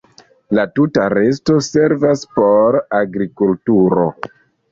La tuta resto servas por agrikulturo.